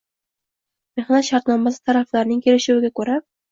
Mehnat shartnomasi taraflarining kelishuviga ko‘ra